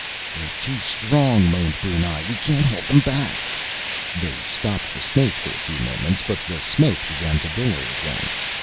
"They're too strong!" moaned Brunei. "We can't hold them back." They stopped the snake for a few moments, but the smoke began to billow again.